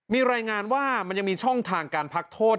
มีรายงานว่ามันยังมีช่องทางการพักโทษ